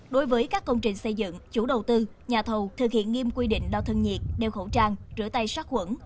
đối với các công trình xây dựng chủ đầu tư nhà thầu thực hiện nghiêm quy định đo thân nhiệt đeo khẩu trang rửa tay sát khuẩn